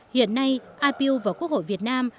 hiện nay ipu và quốc hội việt nam